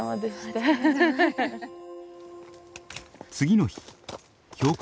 次の日標高